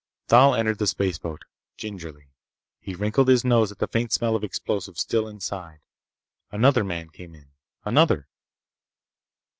Thal entered the spaceboat. Gingerly. He wrinkled his nose at the faint smell of explosive still inside. Another man came in. Another.